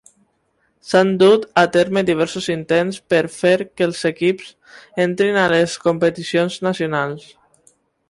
S'han dut a terme diversos intents per fer que els equips entrin a les competicions nacionals.